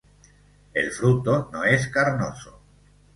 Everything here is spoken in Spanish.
El fruto no es carnoso.